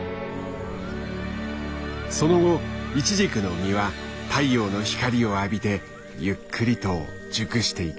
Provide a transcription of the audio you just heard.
その後イチジクの実は太陽の光を浴びてゆっくりと熟していく。